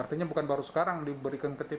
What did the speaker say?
artinya bukan baru sekarang diberikan ke ktp bu